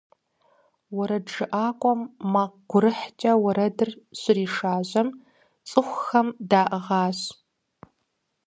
УэрэджыӀакӀуэм макъ гурыхькӀэ уэрэдыр щришажьэм, цӏыхухэм даӏыгъащ.